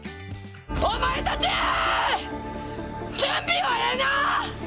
お前たち、準備はええなあ！